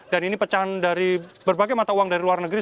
dan ini pecahan dari berbagai mata uang dari luar negeri